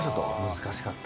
難しかった？